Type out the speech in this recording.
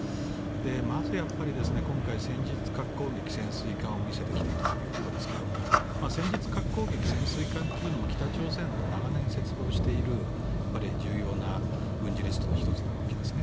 まず今回、戦術核攻撃潜水艦を見せてきたというところですが戦術核攻撃潜水艦というのも北朝鮮の長年切望している重要な軍事リストの１つなわけですね。